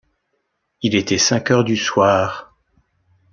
Il était cinq heures du soir.